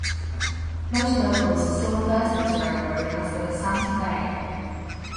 Most locals still refer to this railroad as the "Santa Fe".